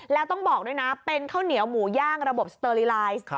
แล้วต้องบอกด้วยนะเป็นข้าวเหนียวหมูย่างระบบสเตอร์ลีไลน์